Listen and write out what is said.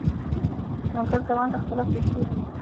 د ملګرو ترمنځ اختلاف پېښ شو.